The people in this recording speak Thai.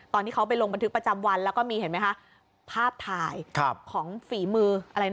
ตอนที่เขาไปลงบันทึกประจำวันแล้วก็มีภาพถ่ายของฝีมือ